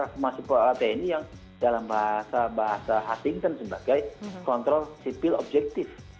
reformasi tni yang dalam bahasa bahasa hasington sebagai kontrol sipil objektif